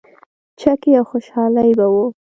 چکې او خوشحالي به وه.